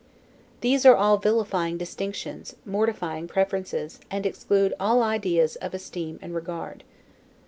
These are all vilifying distinctions, mortifying preferences, and exclude all ideas of esteem and regard.